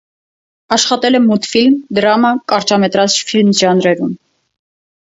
Աշխատել է մուլտֆիլմ, դրամա, կարճամետրաժ ֆիլմ ժանրերում։